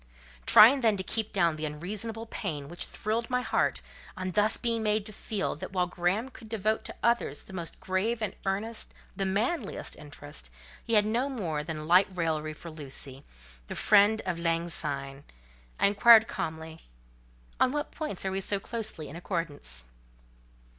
Trying, then, to keep down the unreasonable pain which thrilled my heart, on thus being made to feel that while Graham could devote to others the most grave and earnest, the manliest interest, he had no more than light raillery for Lucy, the friend of lang syne, I inquired calmly,—"On what points are we so closely in accordance?"